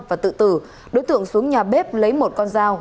và tự tử đối tượng xuống nhà bếp lấy một con dao